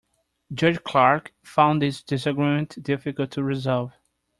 Judge Clark found this disagreement difficult to resolve.